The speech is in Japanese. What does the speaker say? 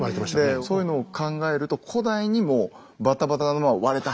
そういうのを考えると古代にもうバタバタのまま割れた！